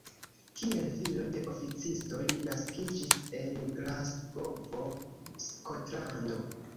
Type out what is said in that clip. Kiel filo de oficisto li naskiĝis en Glasgovo, Skotlando.